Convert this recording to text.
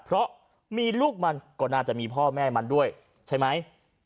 เพราะมีลูกมันก็น่าจะมีพ่อแม่มันด้วยใช่ไหม